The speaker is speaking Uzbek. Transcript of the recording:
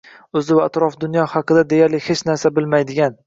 o‘zi va atrof dunyo haqida deyarli hech narsa bilmaydigan